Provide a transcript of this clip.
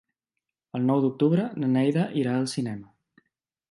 El nou d'octubre na Neida irà al cinema.